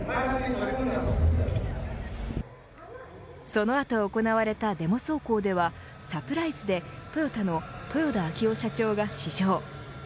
その後行われたデモ走行ではサプライズでトヨタの豊田章男社長が試乗。